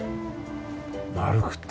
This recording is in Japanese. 丸くて。